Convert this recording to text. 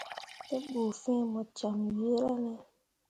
Te bu fin mu camme wira ne.